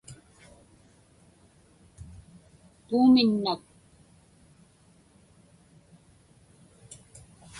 Puuminnak.